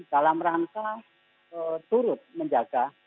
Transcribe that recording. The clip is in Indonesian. dalam rangka turut menjaga